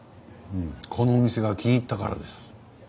このお店が気に入ったからです。